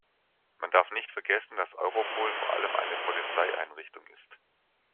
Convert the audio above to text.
Man darf nicht vergessen, dass Europol vor allem eine Polizeieinrichtung ist.